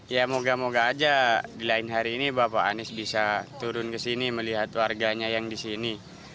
ya moga moga aja di lain hari ini bapak anies bisa turun ke sini melihat warganya yang di sini